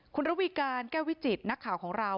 คุณระวีการแก้ววิจิตรนักข่าวของเรา